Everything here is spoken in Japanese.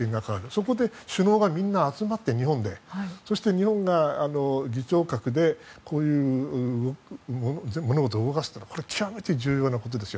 そこで首脳がみんな日本に集まってそして日本が議長格でこういう物事を動かすというのは極めて重要なことです。